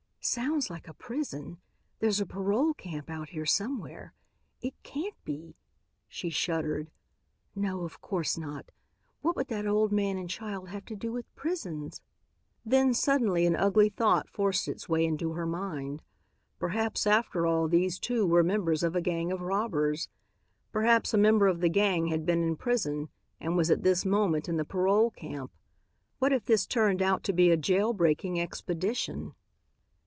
"Sounds like a prison. There's a parole camp out here somewhere. It can't be!" she shuddered. "No, of course not. What would that old man and child have to do with prisons?" Then, suddenly an ugly thought forced its way into her mind. Perhaps after all these two were members of a gang of robbers. Perhaps a member of the gang had been in prison and was at this moment in the parole camp. What if this turned out to be a jail breaking expedition?